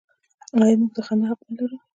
آیا موږ د خندا حق نلرو؟